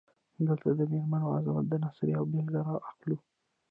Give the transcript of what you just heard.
دلته د میرمن عظمت د نثر یوه بیلګه را اخلو.